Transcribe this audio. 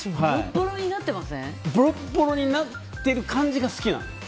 ボロッボロになってる感じが好きなの。